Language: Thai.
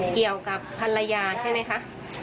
เกี่ยวกับภรรยาใช่ไหมคะ